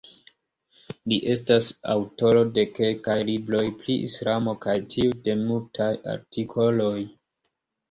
Li estas aŭtoro de kelkaj libroj pri islamo kaj tiu de multaj artikoloj.